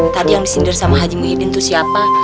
tadi yang disindir sama haji muhyiddin itu siapa